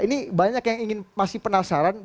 ini banyak yang ingin masih penasaran